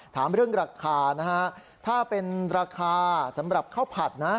ถามเรื่องราคานะฮะถ้าเป็นราคาสำหรับข้าวผัดนะ